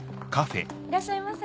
いらっしゃいませ。